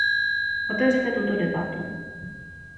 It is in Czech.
Otevřete tuto debatu.